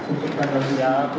untuk tanggal tiga puluh satu